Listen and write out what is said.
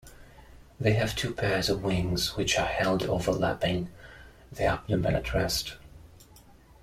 They have two pairs of wings, which are held overlapping the abdomen at rest.